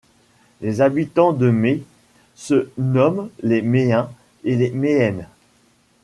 Les habitants de Mée se nomment les Méens et les Méennes.